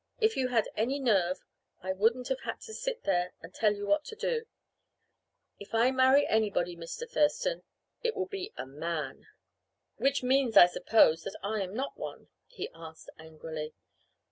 If you'd had any nerve I wouldn't have had to sit there and tell you what to do. If ever I marry anybody, Mr. Thurston, it will be a man." "Which means, I suppose, that I'm not one?" he asked angrily.